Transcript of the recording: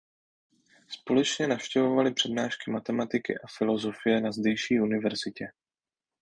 Společně navštěvovali přednášky matematiky a filosofie na zdejší univerzitě.